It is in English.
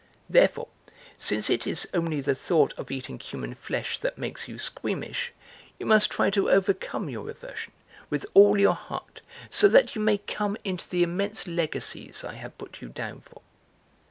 (Therefore, since it is only the thought of eating human flesh that makes you squeamish, you must try to overcome your aversion, with all your heart, so that you may come into the immense legacies I have put you down for!"